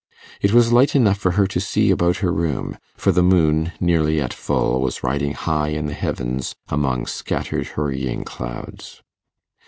It was light enough for her to see about her room, for the moon, nearly at full, was riding high in the heavens among scattered hurrying clouds.